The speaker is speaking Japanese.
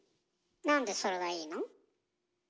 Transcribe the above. なんでそれがいいの？